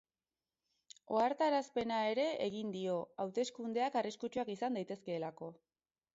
Ohartarazpena ere egin dio, hauteskundeak arriskutsuak izan daitezkeelako.